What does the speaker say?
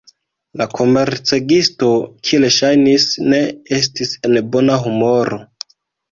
La komercegisto, kiel ŝajnis, ne estis en bona humoro.